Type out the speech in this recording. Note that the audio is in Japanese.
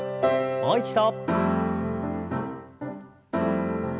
もう一度。